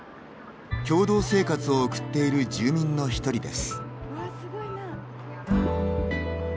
共同生活をおくっている住民の一人です。